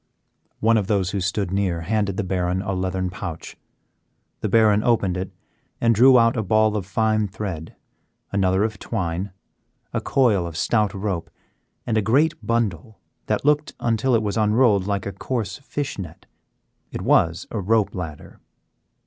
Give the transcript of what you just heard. One of those who stood near handed the Baron a leathern pouch, the Baron opened it and drew out a ball of fine thread, another of twine, a coil of stout rope, and a great bundle that looked, until it was unrolled, like a coarse fish net. It was a rope ladder.